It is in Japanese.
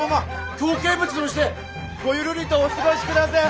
京見物でもしてごゆるりとお過ごしくだせえ。